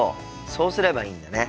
そうすればいいんだね。